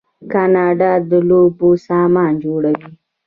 کاناډا د لوبو سامان جوړوي.